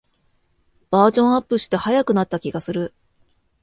バージョンアップして速くなった気がする